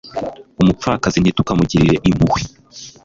umupfakazi ntitukamugirire impuhwe